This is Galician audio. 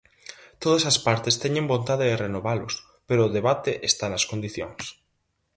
Todas as partes teñen vontade de renovalos, pero o debate está nas condicións.